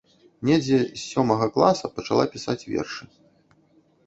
Недзе з сёмага класа пачала пісаць вершы.